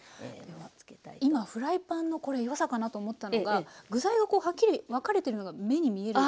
今フライパンのこれよさかなと思ったのが具材がこうはっきり分かれてるのが目に見える。